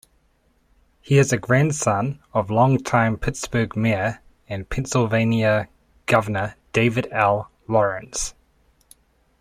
He is a grandson of longtime Pittsburgh mayor and Pennsylvania Governor David L. Lawrence.